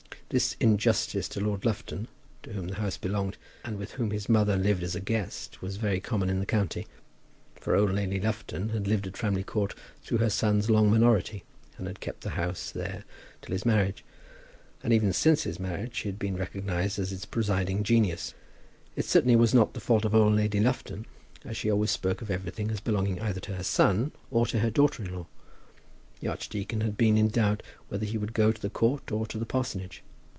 This injustice to Lord Lufton, to whom the house belonged, and with whom his mother lived as a guest, was very common in the county; for old Lady Lufton had lived at Framley Court through her son's long minority, and had kept the house there till his marriage; and even since his marriage she had been recognized as its presiding genius. It certainly was not the fault of old Lady Lufton, as she always spoke of everything as belonging either to her son or to her daughter in law. The archdeacon had been in doubt whether he would go to the Court or to the parsonage.